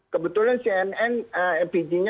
kebetulan cnn epg nya